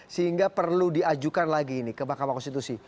sehingga perlu diajukan lagi ini ke mahkamah konstitusi